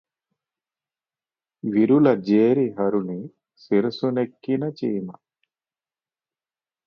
విరుల జేరి హరుని శిరసు నెక్కిన చీమ